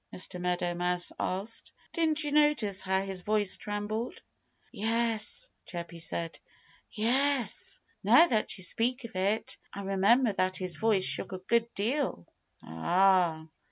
Mr. Meadow Mouse asked. "Didn't you notice how his voice trembled?" "Yes!" Chirpy said. "Yes! Now that you speak of it, I remember that his voice shook a good deal." "Ah!"